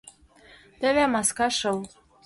Теве маска шыл.